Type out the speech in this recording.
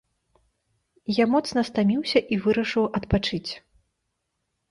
Я моцна стаміўся і вырашыў адпачыць.